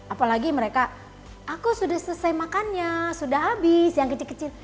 apalagi mereka aku sudah selesai makannya sudah habis yang kecil kecil